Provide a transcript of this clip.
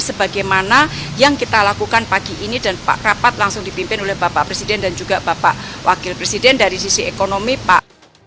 sebagaimana yang kita lakukan pagi ini dan pak rapat langsung dipimpin oleh bapak presiden dan juga bapak wakil presiden dari sisi ekonomi pak